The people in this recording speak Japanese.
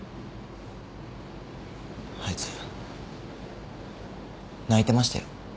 あいつ泣いてましたよ